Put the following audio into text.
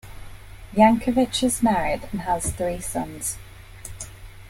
Yankevich is married and has three sons.